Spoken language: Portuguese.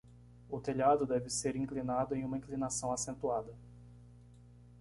O telhado deve ser inclinado em uma inclinação acentuada.